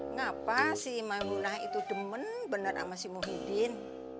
ngapa si maimunah itu demen bener sama si muhyiddin